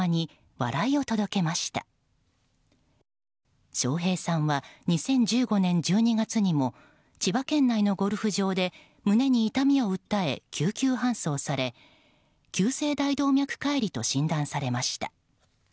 笑瓶さんは２０１５年１２月にも千葉県内のゴルフ場で胸に痛みを訴え救急搬送され急性大動脈解離と診断されました。